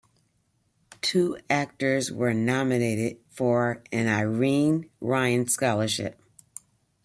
Two actors were nominated for an Irene Ryan scholarship.